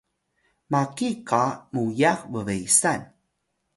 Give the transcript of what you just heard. maki qa muyax bbesan